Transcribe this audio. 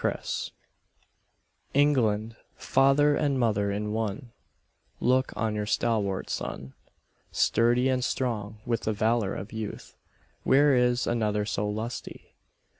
CANADA England, father and mother in one, Look on your stalwart son. Sturdy and strong, with the valour of youth, Where is another so lusty?